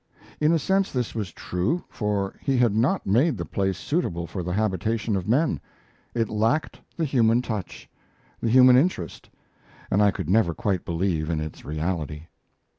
In a sense this was true, for He had not made the place suitable for the habitation of men. It lacked the human touch; the human interest, and I could never quite believe in its reality.